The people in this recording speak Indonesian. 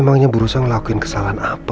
memangnya buru asa ngelakuin kesalahan apa